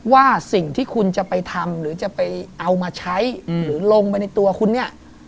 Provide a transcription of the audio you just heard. ว่าสิ่งที่คุณจะไปทำหรือจะไปเอามาใช้หรือลงไปในตัวคุณเนี่ย